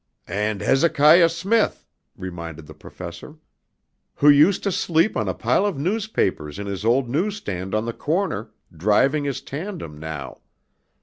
"And Hezekiah Smith," reminded the Professor. "Who used to sleep on a pile of newspapers in his old newsstand on the corner, driving his tandem now.